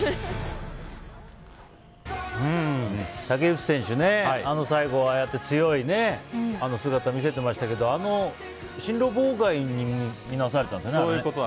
竹内選手最後ああやって強い姿を見せてましたけど進路妨害に見なされたんですかね。